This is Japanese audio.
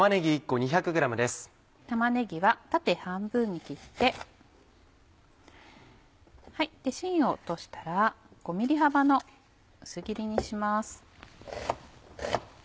玉ねぎは縦半分に切って芯を落としたら５ｍｍ幅の薄切りにします。